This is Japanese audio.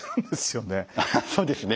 そうですね。